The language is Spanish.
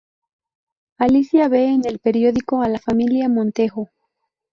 Alicia ve en el periódico a la familia Montejo.